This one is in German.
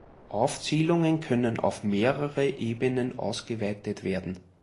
Aufzählungen können auf mehrere Ebenen ausgeweitet werden.